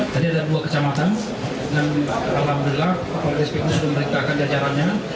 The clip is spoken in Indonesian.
tadi ada dua kecamatan yang alhamdulillah pak presbyterus sudah memberitakan jajarannya